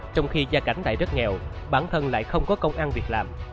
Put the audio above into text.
trong khi gia cảnh tại rất nghèo bản thân lại không có công ăn việc làm